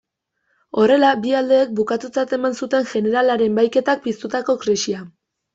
Horrela bi aldeek bukatutzat eman zuten jeneralaren bahiketak piztutako krisia.